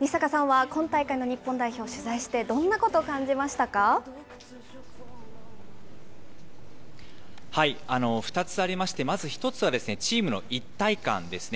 西阪さんは今大会の日本代表を取２つありまして、まず１つはチームの一体感ですね。